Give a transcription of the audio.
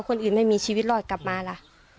คนอื่นไม่มีชีวิตรอดกลับมาล่ะ